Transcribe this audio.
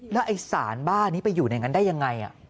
แล้วไอ้สารบ้านี้ไปอยู่ในนั้นได้ยังไง